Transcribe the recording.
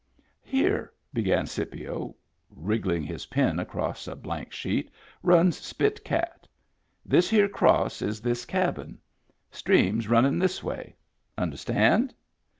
" Here," began Scipio, wriggling his pen across a blank sheet, " runs Spit Cat. This here cross is this cabin. Stream's runnin' this way. Under stand?"